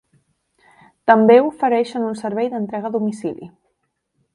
També ofereixen un servei d'entrega a domicili.